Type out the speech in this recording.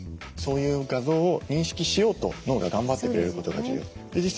そういう画像を認識しようと脳が頑張ってくれることが重要。